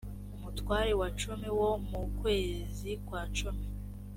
umutware wa cumi wo mu kwezi kwa cumi